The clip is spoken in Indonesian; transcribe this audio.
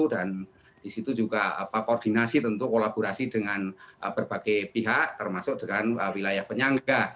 dan di situ juga koordinasi tentu kolaborasi dengan berbagai pihak termasuk dengan wilayah penyangga